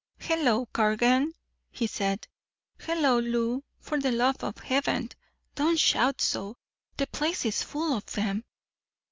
"Hello, Cargan," he said. "Hello, Lou. For the love of heaven, don't shout so. The place is full of them."